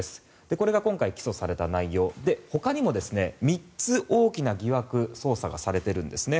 これが今回、起訴された内容でほかにも３つ大きな疑惑捜査がされているんですね。